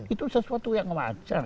itu sesuatu yang wajar